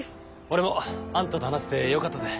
俺もあんたと話せてよかったぜ。